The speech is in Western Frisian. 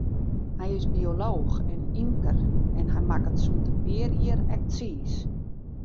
Hy is biolooch en ymker, en hy makket sûnt in pear jier ek tsiis.